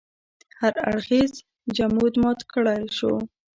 هر اړخیز جمود مات کړای شو.